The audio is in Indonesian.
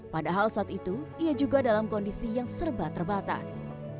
padahal saat itu ia juga dalam kondisi yang serba terbatas